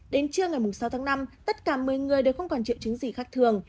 đến trưa ngày sáu tháng năm tất cả một mươi người đều không còn triệu chứng gì khác thường